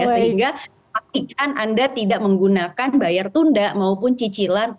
sehingga pastikan anda tidak menggunakan bayar tunda maupun cicilan